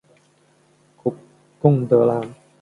贡德兰。